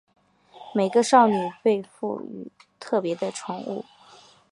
每个少女被赋与特别的宠物。